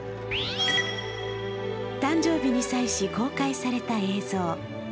誕生日に際し、公開された映像。